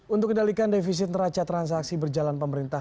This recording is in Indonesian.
untuk kendalikan defisit neraca transaksi berjalan pemerintah